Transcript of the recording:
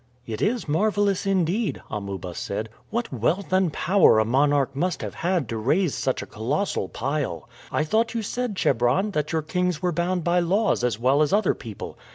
"It is marvelous, indeed," Amuba said. "What wealth and power a monarch must have had to raise such a colossal pile! I thought you said, Chebron, that your kings were bound by laws as well as other people.